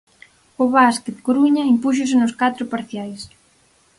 O Básquet Coruña impúxose nos catro parciais.